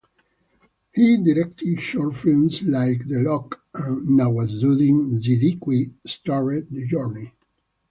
He directed short films like "The Lock" and Nawazuddin Siddiqui starrer "The Journey".